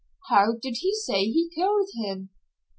"How did he say he killed him?"